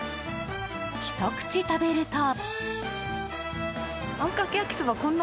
ひと口食べると。